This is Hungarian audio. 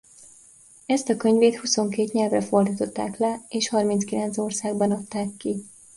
Ezt a könyvét huszonkét nyelvre fordították le és harminckilenc országban adták ki.